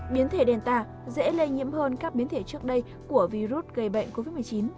biến thể đền tà dễ lây nhiễm hơn các biến thể trước đây của virus gây bệnh covid một mươi chín